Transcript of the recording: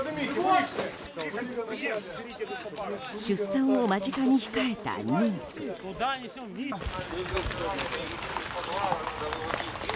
出産を間近に控えた妊婦。